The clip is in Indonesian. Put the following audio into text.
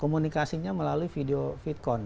komunikasinya melalui video vidcon